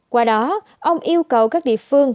qua đó ông yêu cầu các địa phương